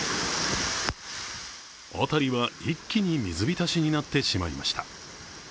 辺りは一気に水びたしになってしまいました。